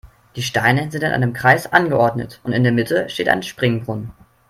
Die Steine sind in einem Kreis angeordnet und in der Mitte steht ein Springbrunnen.